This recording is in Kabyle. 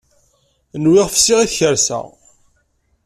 Nwiɣ fsiɣ i tkersa.